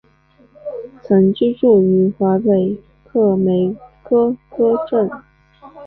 曾居住于魁北克梅戈格镇。